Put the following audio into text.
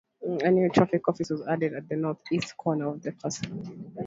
A new traffic office was added at the northeast corner of the facility.